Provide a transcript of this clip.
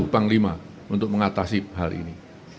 saya juga berusaha untuk mengatasi hal ini